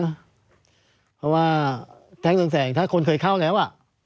เพราะว่าแท่งเรืองแสงถ้าคนเคยเข้าแล้ว